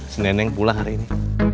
seneneng pulang hari ini